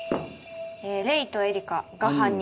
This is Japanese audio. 玲とエリカが犯人。